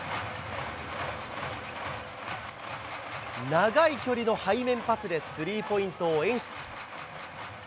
長い距離の背面パスでスリーポイントを演出。